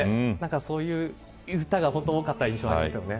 そういう歌が本当に多かった印象がありますよね。